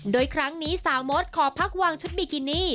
โดยครั้งนี้สาวมดขอพักวางชุดบิกินี่